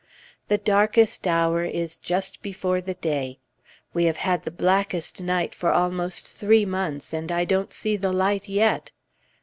"The darkest hour is just before the day"; we have had the blackest night for almost three months, and I don't see the light yet.